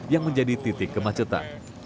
yang menjadi titik kemacetan